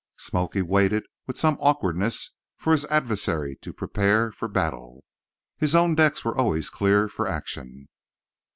"Smoky" waited with some awkwardness for his adversary to prepare for battle. His own decks were always clear for action.